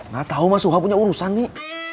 gatau mas suha punya urusan nih